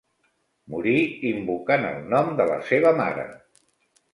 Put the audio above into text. Morí invocant el nom de la seva mare.